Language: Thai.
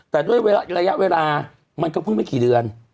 แต่ด้วยระยะเวลามันก็เพิ่งไม่กี่เดือน